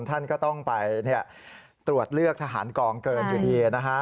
ท่านก็ต้องไปตรวจเลือกทหารกองเกินอยู่ดีนะฮะ